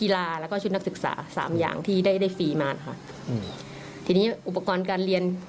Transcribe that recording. แล้วก็ชุดนักศึกษาสามอย่างที่ได้ได้ฟรีมาค่ะอืมทีนี้อุปกรณ์การเรียน